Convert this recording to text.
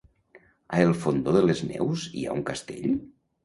A el Fondó de les Neus hi ha un castell?